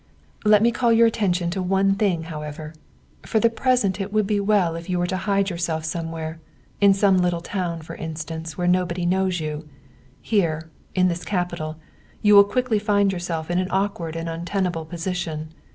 "Let me call your attention to one thing, however. For the present it would be well if you were to hide yourself somewhere, in some little town, for instance, where nobody knows you. Here, in this capital, you will quickly find yourself in an awkward and untenable position.